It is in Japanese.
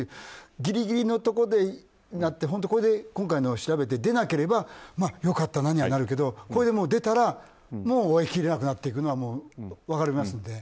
ギリギリのところでなって今回調べて出なければ良かったなにはなるけどこれで出たら追いきれなくなっていくのは分かりますので。